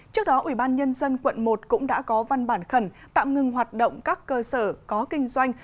trước đó ủy ban nhân dân tp hcm cũng đã có văn bản khẩn tạm ngừng hoạt động các cơ sở có kinh doanh